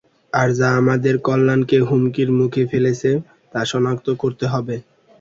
আর যা আমাদের কল্যাণকে হুমকির মুখে ফেলেছে, তা শনাক্ত করতে হবে।